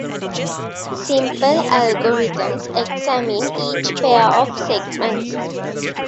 Simple algorithms examine each pair of segments.